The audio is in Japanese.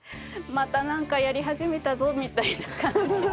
またなんかやり始めたぞみたいな感じで。